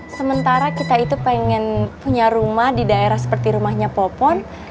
sementara kita itu pengen punya rumah di daerah seperti rumahnya popon